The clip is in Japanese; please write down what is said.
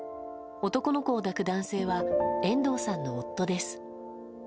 男の子を抱く男性は遠藤さんの夫です。